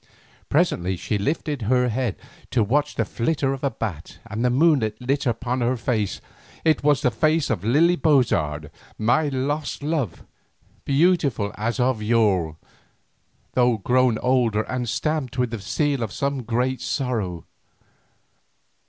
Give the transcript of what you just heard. Presently she lifted her head to watch the flitter of a bat and the moonlight lit upon her face. It was the face of Lily Bozard, my lost love, beautiful as of yore, though grown older and stamped with the seal of some great sorrow.